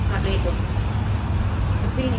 Mupini ya jembe yangu ina vunjika leo